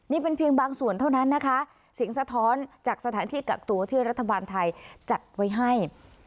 นี่เป็นเพียงบางส่วนเท่านั้นนะคะเสียงสะท้อนจากสถานที่กักตัวที่รัฐบาลไทยจัดไว้ให้